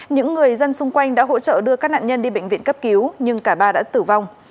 những người dân xung quanh đã hỗ trợ đưa các nạn nhân đi bệnh viện cấp cứu nhưng cả ba đã tử vong